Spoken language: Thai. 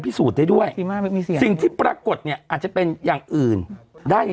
พิสูจน์ได้ด้วยสิ่งที่ปรากฏเนี่ยอาจจะเป็นอย่างอื่นได้